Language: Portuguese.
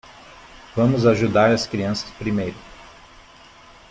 Vamos ajudar as crianças primeiro.